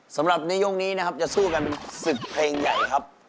สำหรับในยกนี้นะครับจะสู้กันเป็นศึกเพลงใหญ่ครับ